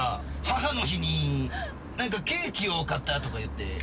母の日にケーキを買ったとかいって。